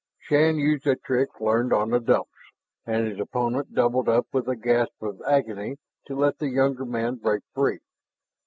Shann used a trick learned on the Dumps, and his opponent doubled up with a gasp of agony to let the younger man break free.